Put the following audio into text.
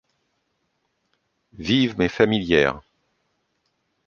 Vive mais familière.